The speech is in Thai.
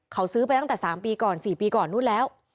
เขาซื้อไปตั้งแต่๓ปีก่อน๔ปีก่อนนู้นแล้ว